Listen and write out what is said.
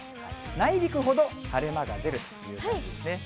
内陸ほど晴れ間が出るという感じですね。